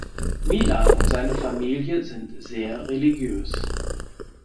Milan und seine Familie sind sehr religiös.